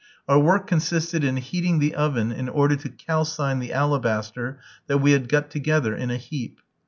Our work consisted in heating the oven in order to calcine the alabaster that we had got together in a heap.